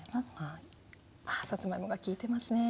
ああさつまいもがきいてますね！